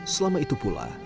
selama itu pula